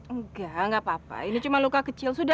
enggak gak apa apa ini cuma luka kecil